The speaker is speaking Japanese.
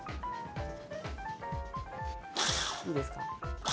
いいですか？